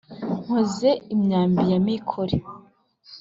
nkoze imyambi ya mikore,